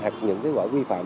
hoặc những quả vi phạm